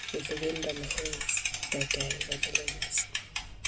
With the wind on the hills their gay revellings.